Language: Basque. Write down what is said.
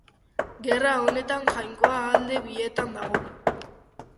Gerra honetan jainkoa alde bietan dago.